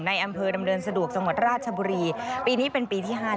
ในอามเกิร์นดำเนินสะดวกสมรรถราชบุรีปีนี้เป็นปีที่ห้าแล้ว